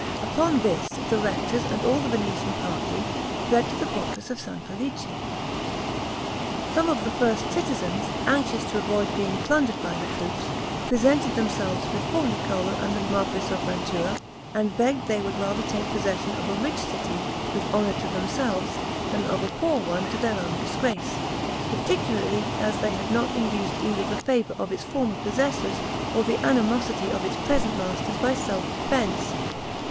Upon this the rectors and all the Venetian party, fled to the fortress of San Felice. Some of the first citizens, anxious to avoid being plundered by the troops, presented themselves before Niccolo and the marquis of Mantua, and begged they would rather take possession of a rich city, with honor to themselves, than of a poor one to their own disgrace; particularly as they had not induced either the favor of its former possessors, or the animosity of its present masters, by self defense.